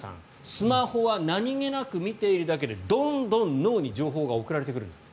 スマホは何げなく見ているだけでどんどん脳に情報が送られてくるんだと。